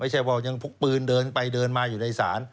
ไม่ใช่ว่ายังพกปืนเดินไปเดินมาอยู่ในศาล